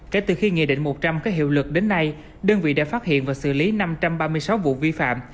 kể từ khi nghị định một trăm linh có hiệu lực đến nay đơn vị đã phát hiện và xử lý năm trăm ba mươi sáu vụ vi phạm